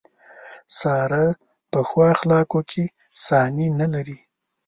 ساره په ښو اخلاقو کې ثاني نه لري.